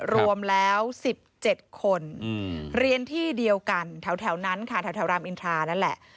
รวมแล้ว๑๗คนเรียนที่เดียวกันแถวนั้นค่ะแถวรามอินทรานั่นแหละ